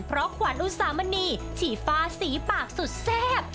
เพราะขวัญอุสามณีฉี่ฟ้าสีปากสุดแซ่บ